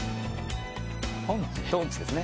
トンチですね。